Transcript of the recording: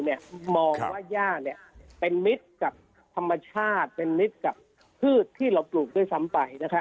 มองว่าย่าเป็นมิตรกับธรรมชาติเป็นมิตรกับพืชที่เราปลูกด้วยซ้ำไป